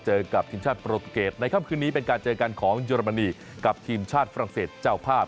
กับทีมชาติโปรตุเกตในค่ำคืนนี้เป็นการเจอกันของเยอรมนีกับทีมชาติฝรั่งเศสเจ้าภาพ